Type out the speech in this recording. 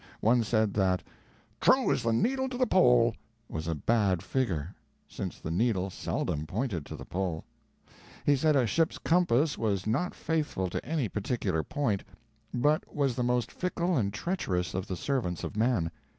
One said that "true as the needle to the pole" was a bad figure, since the needle seldom pointed to the pole. He said a ship's compass was not faithful to any particular point, but was the most fickle and treacherous of the servants of man.